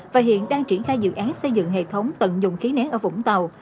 và hiện đang triển khai dự án xây dựng hệ thống tận dụng khí nén ở vũng tàu